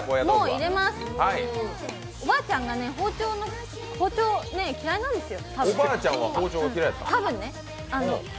おばあちゃんが包丁嫌いなんですよ、たぶん。